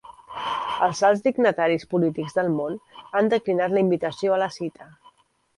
Els alts dignataris polítics del món han declinat la invitació a la cita.